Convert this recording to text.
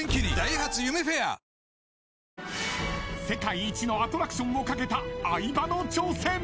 ［世界一のアトラクションを懸けた相葉の挑戦］